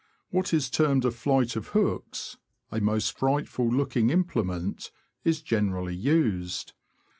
What is termed a flight of hooks — a most frightful looking implement — is generally used.